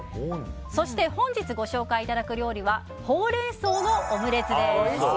そして、本日ご紹介いただく料理はホウレンソウのオムレツです。